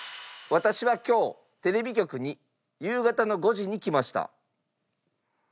私は今日テレビ局に夕方の５時に来ました。